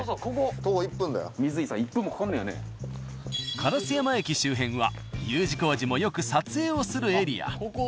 烏山駅周辺はＵ字工事もよく撮影をするエリア。